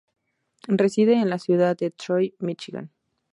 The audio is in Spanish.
Reside en la ciudad de Troy, Michigan.